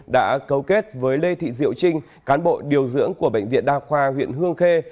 đã cấu kết với lê thị diệu trinh cán bộ điều dưỡng của bệnh viện đa khoa huyện hương khê